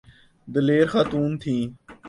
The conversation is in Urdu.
دلیر خاتون تھیں۔